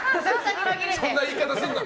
そんな言い方すんな！